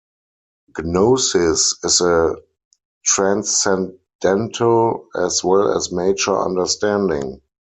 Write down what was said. Gnosis is a transcendental as well as mature understanding.